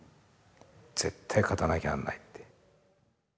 絶対勝たなきゃなんないって。